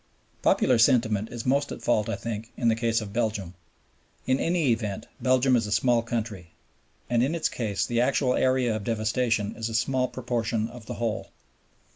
Popular sentiment is most at fault, I think, in the case of Belgium. In any event Belgium is a small country, and in its case the actual area of devastation is a small proportion of the whole.